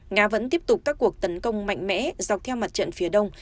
nga vẫn tiếp tục các cuộc tấn công mạnh mẽ dọc theo mặt trận phía đông